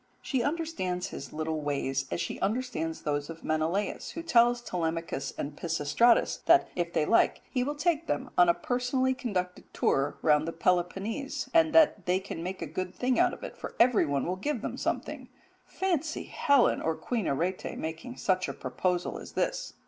She understands his little ways as she understands those of Menelaus, who tells Telemachus and Pisistratus that if they like he will take them a personally conducted tour round the Peloponnese, and that they can make a good thing out of it, for everyone will give them something fancy Helen or Queen Arete making such a proposal as this.